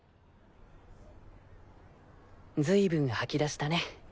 随分吐き出したね。